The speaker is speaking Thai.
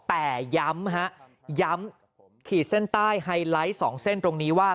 แต่ย้ำฮะย้ำขีดเส้นใต้ไฮไลท์สองเส้นตรงนี้ว่า